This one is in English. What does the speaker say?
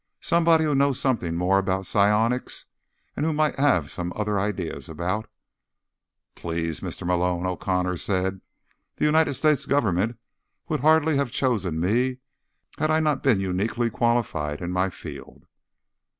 Somebody who knows something more about psionics, and who might have some other ideas about—" "Please, Mr. Malone," O'Connor said. "The United States Government would hardly have chosen me had I not been uniquely qualified in my field."